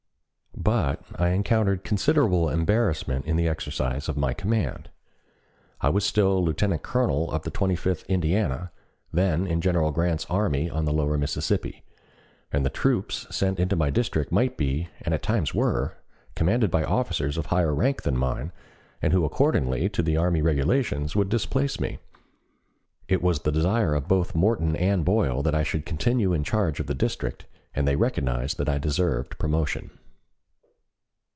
But I encountered considerable embarrassment in the exercise of my command. I was still lieutenant colonel of the Twenty fifth Indiana, then in General Grant's army on the Lower Mississippi, and the troops sent into my district might be, and at times were, commanded by officers of higher rank than mine, and who according to the Army Regulations would displace me. It was the desire of both Morton and Boyle that I should continue in charge of the district, and they recognized that I deserved promotion.